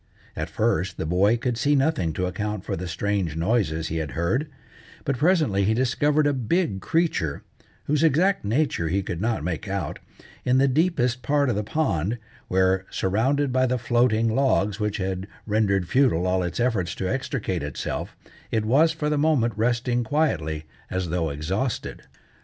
At first the boy could see nothing to account for the strange noises he had heard, but presently he discovered a big creature, whose exact nature he could not make out, in the deepest part of the pond, where, surrounded by the floating logs which had rendered futile all its efforts to extricate itself, it was, for the moment, resting quietly as though exhausted.